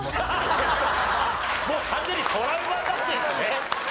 もう完全にトラウマになってるんですね。